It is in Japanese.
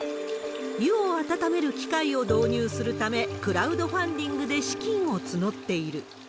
湯を温める機会を導入するため、クラウドファンディングで資金を募っている。